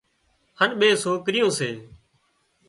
هانَ ٻي سوڪريون سي۔